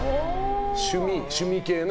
趣味系ね。